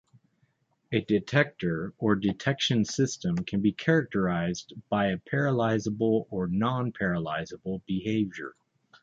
A detector, or detection system, can be characterized by a "paralyzable" or "non-paralyzable" behaviour.